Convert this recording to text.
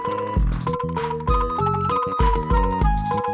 kamu ketemu saya